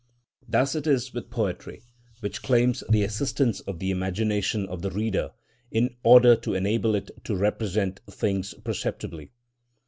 Thus it is with poetry, which claims the assistance of the imagination of the reader, in order to enable it to represent things perceptibly.